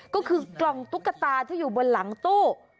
ก็คือกล่องตุ๊กตาที่อยู่บนหลังตู้